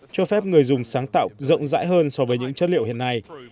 cho phép người dùng sáng tạo rộng rãi hơn so với những chất liệu hiện nay